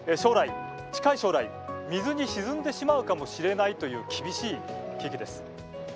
近い将来、水に沈んでしまうかもしれないという厳しい危機です。